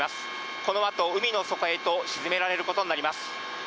このあと、海の底へと沈められることになります。